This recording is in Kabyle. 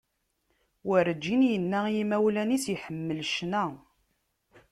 Werğin yenna i yimawlan-is iḥemmel ccna.